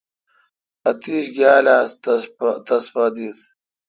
اتییش گال آس تس پہ دت۔